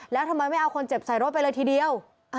แล้วทำไมไม่เอาคนเจ็บใส่รถไปเลยทีเดียว